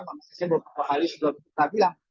maksudnya beberapa kali sudah kita bilang